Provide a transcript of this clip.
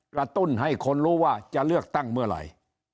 ตุ้นให้คนรู้ว่าจะเลือกตั้งเมื่อไหร่